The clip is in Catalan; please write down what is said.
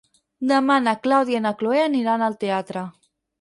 Demà na Clàudia i na Cloè aniran al teatre.